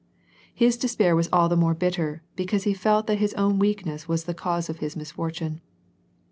His despair was all the more bitter, because he felt that his own weakness was the cause of his misfortune.